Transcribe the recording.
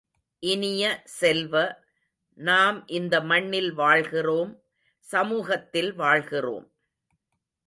இனிய செல்வ, நாம் இந்த மண்ணில் வாழ்கின்றோம் சமூகத்தில் வாழ்கின்றோம்!